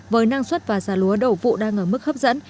với năng suất và giá lúa đầu vụ đang ở mức hấp dẫn